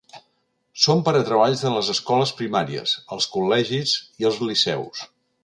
Són per a treballs de les escoles primàries, els col·legis i els liceus.